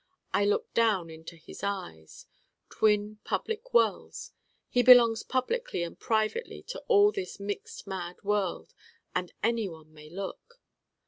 I look down his Eyes twin public wells (he belongs publicly and privately to all this mixed mad world, and anyone may look!